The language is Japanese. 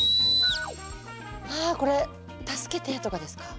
あこれ「助けて」とかですか？